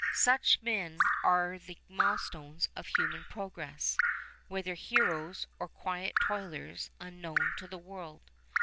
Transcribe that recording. Such men are the milestones of human progress, whether heroes, or quiet toilers unknown to the world.